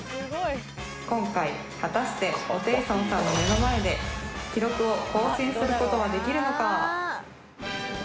今回果たしてホテイソンさんの目の前で記録を更新することはできるのか？